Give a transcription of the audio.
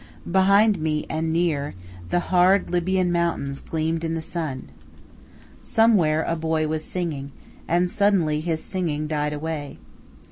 Behind me, and near, the hard Libyan mountains gleamed in the sun. Somewhere a boy was singing; and suddenly his singing died away.